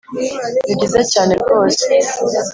nibyiza cyane rwose